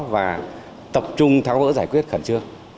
và tập trung tháo bỡ giải quyết khẩn trương